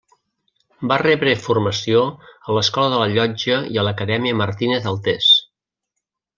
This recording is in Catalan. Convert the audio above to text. Va rebre formació a l'Escola de la Llotja i a l'Acadèmia Martínez Altés.